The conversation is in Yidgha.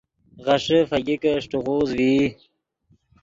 غیݰے فگیکے اݰٹے غوز ڤئی